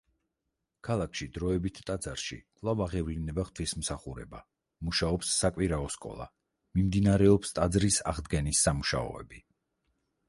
ქალაქში დროებით ტაძარში კვლავ აღევლინება ღვთისმსახურება, მუშაობს საკვირაო სკოლა, მიმდინარეობს ტაძრის აღდგენის სამუშაოები.